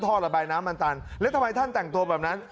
ท่อระบายน้ำมันตันแล้วทำไมท่านแต่งตัวแบบนั้น